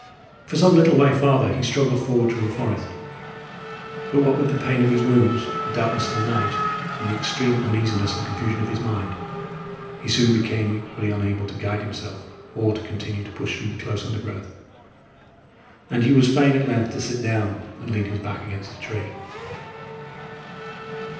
For some little way farther he struggled forward through the forest; but what with the pain of his wounds, the darkness of the night, and the extreme uneasiness and confusion of his mind, he soon became equally unable to guide himself or to continue to push through the close undergrowth, and he was fain at length to sit down and lean his back against a tree.